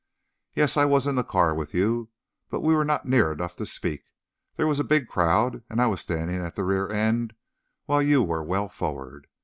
"Yes; I was in the car with you, but we were not near enough to speak. There was a big crowd, and I was standing at the rear end, while you were well forward.